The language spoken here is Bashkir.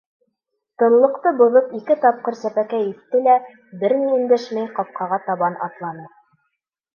Тынлыҡты боҙоп ике тапҡыр сәпәкәй итте лә, бер ни өндәшмәй ҡапҡаға табан атланы.